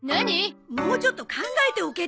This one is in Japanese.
もうちょっと考えて置けってば。